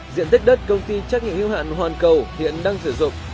diện tích đất công ty trách nhiệm hưu hạn hoàn cầu hiện đang sử dụng